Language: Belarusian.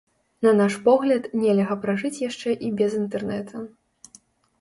На наш погляд, нельга пражыць яшчэ і без інтэрнэта.